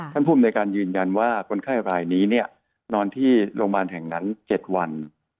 ภูมิในการยืนยันว่าคนไข้รายนี้นอนที่โรงพยาบาลแห่งนั้น๗วัน